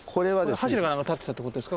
柱か何か立ってたってことですか？